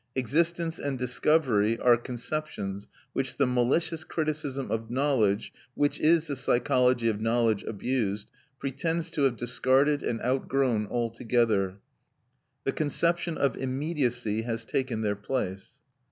Existence and discovery are conceptions which the malicious criticism of knowledge (which is the psychology of knowledge abused) pretends to have discarded and outgrown altogether; the conception of immediacy has taken their place.